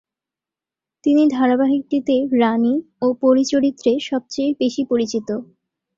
তিনি ধারাবাহিকটি তে রানি ও পরী চরিত্রে সবচেয়ে বেশি পরিচিত।